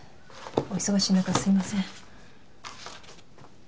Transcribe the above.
お忙しい中すいません。